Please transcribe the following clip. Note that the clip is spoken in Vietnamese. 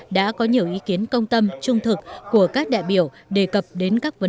đã có nhiều ý kiến công tâm trung thực của các đại biểu